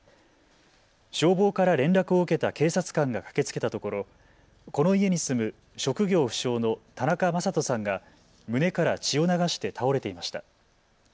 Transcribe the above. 消防から連絡を受けた警察官が駆けつけたところ、この家に住む職業不詳の田中正人さんが胸から血を流して倒れていました。